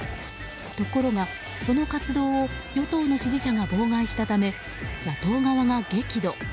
ところが、その活動を与党の支持者が妨害したため野党側が激怒。